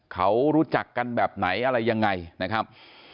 เขารู้จักกันแบบไหนอะไรยังไงนะครับ